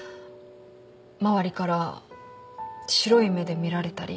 周りから白い目で見られたり。